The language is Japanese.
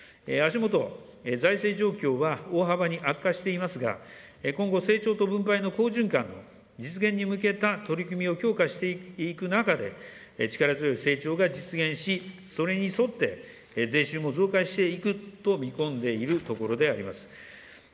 足元、財政状況は大幅に悪化していますが、今後成長と分配の好循環、実現に向けた取り組みを強化していく中で、力強い成長が実現し、それに沿って、税収も増加していくと見込んでいるところであります。